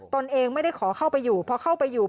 ตนเองไม่ได้ขอเข้าไปอยู่เพราะเข้าไปอยู่